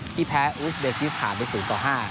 ที่แพ้อุสเบซิสภาพได้๐ต่อ๕